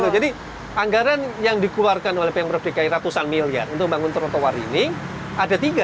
jadi anggaran yang dikeluarkan oleh pmrf dikait ratusan miliar untuk membangun trotoar ini ada tiga kan